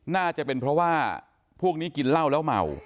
น่าจะเป็นเพราะว่าพวกนี้กินเหล้าแล้วเมา